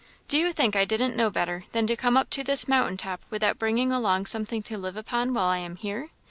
Do you think I didn't know better than to come up to this mountain top without bringing along something to live upon while I am here?